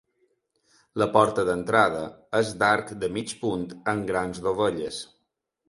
La porta d'entrada és d'arc de mig punt amb grans dovelles.